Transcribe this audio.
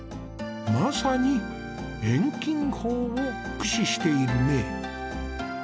まさに遠近法を駆使しているね。